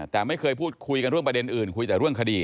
แต่ไม่เคยพูดคุยกันเรื่องประเด็นอื่นคุยแต่เรื่องคดี